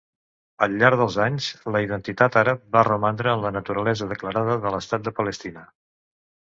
Al llarg dels anys, la identitat àrab va romandre en la naturalesa declarada de l'Estat de Palestina.